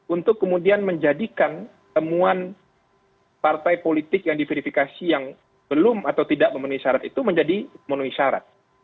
untuk kemudian menjadikan temuan partai politik yang diverifikasi yang belum atau tidak memenuhi syarat itu menjadi menuhi syarat